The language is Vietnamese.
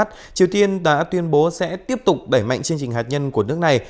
triều tiên đã tuyên bố sẽ tiếp tục đẩy mạnh chương trình hạt nhân của nước này